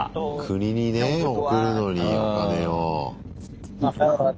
国にね送るのにお金を。